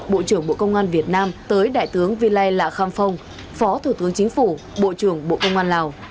bộ trưởng bộ công an việt nam tới đại tướng vy lai lạ kham phong phó thủ tướng chính phủ bộ trưởng bộ công an lào